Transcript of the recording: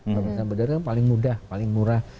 karena itu kan paling mudah paling murah